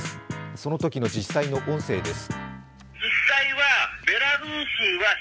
そのときの実際の音声です。